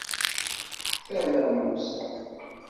Tala Musa.